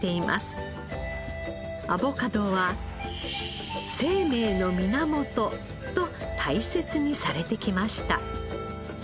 アボカドは「生命の源」と大切にされてきました。